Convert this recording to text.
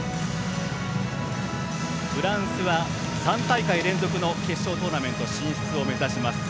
フランスは３大会連続の決勝トーナメント進出を目指します。